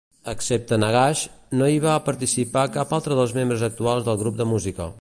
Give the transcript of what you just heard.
Excepte Nagash, no hi va participar cap altre dels membres actuals del grup de música.